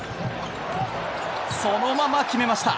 そのまま決めました！